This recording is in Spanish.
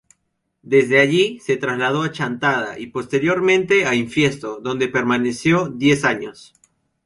Desde allí se trasladó a Chantada, y posteriormente a Infiesto, donde permaneció diez años.